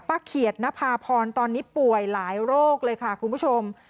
เขียดนภาพรตอนนี้ป่วยหลายโรคเลยค่ะคุณผู้ชม